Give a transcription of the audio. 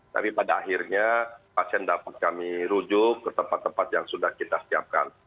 tapi pada akhirnya pasien dapat kami rujuk ke tempat tempat yang sudah kita siapkan